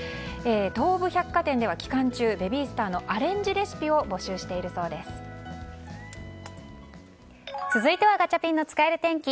東武百貨店では期間中ベビースターのアレンジレシピを続いてはガチャピンの使える天気。